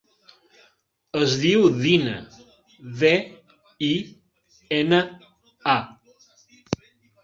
Es diu Dina: de, i, ena, a.